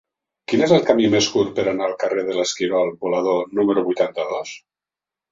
Quin és el camí més curt per anar al carrer de l'Esquirol Volador número vuitanta-dos?